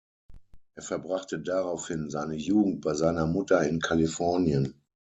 Er verbrachte daraufhin seine Jugend bei seiner Mutter in Kalifornien.